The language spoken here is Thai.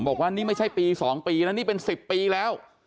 บอกว่านี่ไม่ใช่ปีสองปีแล้วนี่เป็นสิบปีแล้ว